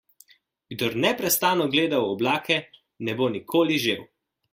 Kdor neprestano gleda v oblake, ne bo nikoli žel.